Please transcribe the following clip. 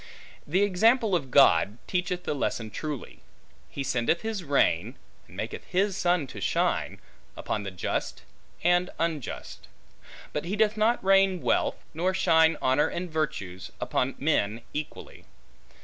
The example of God, teacheth the lesson truly: He sendeth his rain, and maketh his sun to shine, upon the just and unjust; but he doth not rain wealth, nor shine honor and virtues, upon men equally.